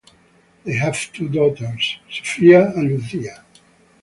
They have two daughters, Sophia and Lucia.